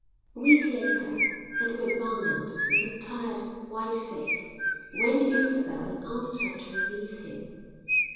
A week later, Edward Barnard, with a tired, white face, went to Isabel and asked her to release him.